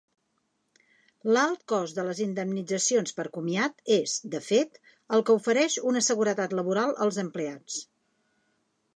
L'alt cost de les indemnitzacions per comiat és, de fet, el que ofereix una seguretat laboral als empleats.